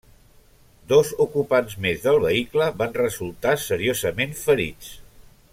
Dos ocupants més del vehicle van resultar seriosament ferits.